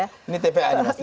ini tpa ini pasti